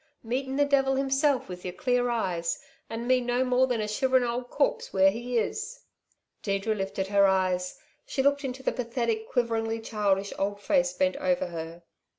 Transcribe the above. Meetin' the devil himself with your clear eyes, 'n me no more than a shiverin' old corpse where he is!" Deirdre lifted her eyes. She looked into the pathetic quiveringly childish, old face bent over her.